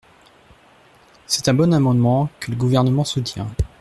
C’est un bon amendement, que le Gouvernement soutient.